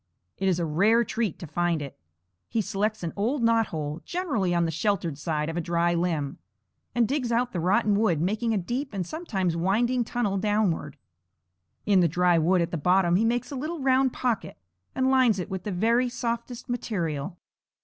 It is a rare treat to find it. He selects an old knot hole, generally on the sheltered side of a dry limb, and digs out the rotten wood, making a deep and sometimes winding tunnel downward. In the dry wood at the bottom he makes a little round pocket and lines it with the very softest material.